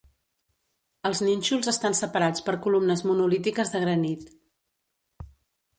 Els nínxols estan separats per columnes monolítiques de granit.